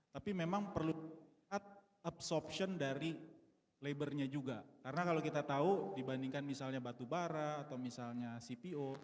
tapi memang perlu mengikat absorption dari labernya juga karena kalau kita tahu dibandingkan misalnya batubara atau misalnya cpo